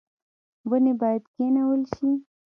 ونې باید کینول شي